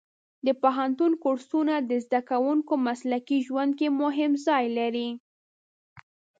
د پوهنتون کورسونه د زده کوونکو مسلکي ژوند کې مهم ځای لري.